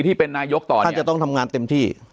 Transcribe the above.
ที่เป็นนายกต่อท่านจะต้องทำงานเต็มที่